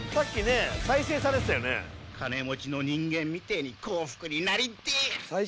「金持ちの人間みてえに幸福になりてえ」